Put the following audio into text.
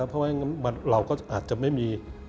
เพราะฉะนั้นเราก็อาจจะไม่มี